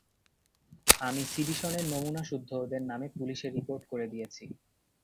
আমি সিডিশনের নমুনা সুদ্ধ ওদের নামে পুলিসে রিপোর্ট করে দিয়েছি।